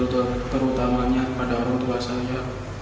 terutamanya kepada orang tua saya